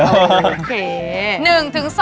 โอเค